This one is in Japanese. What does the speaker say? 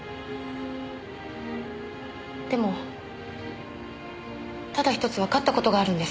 でもただ１つわかった事があるんです。